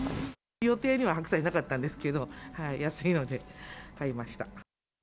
予定には白菜なかったんですけど、安いので買いました。